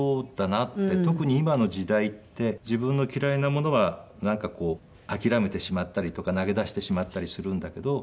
特に今の時代って自分の嫌いなものはなんかこう諦めてしまったりとか投げ出してしまったりするんだけど。